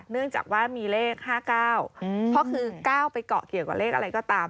เนื่องจากว่ามีเลข๕๙เพราะคือ๙ไปเกาะเกี่ยวกับเลขอะไรก็ตาม